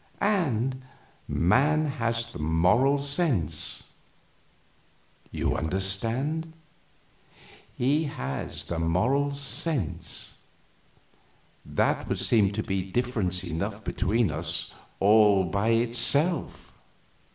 And man has the Moral Sense. You understand? He has the Moral Sense. That would seem to be difference enough between us, all by itself."